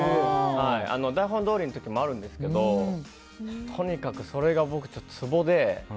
台本どおりの時もあるんですけどとにかく、それが僕、ツボで。